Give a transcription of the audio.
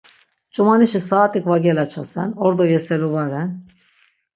Ç̆umanişi saat̆ik va gelaçasen, ordo yeselu va ren.